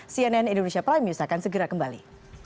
cnn indonesia prime news akan segera kembali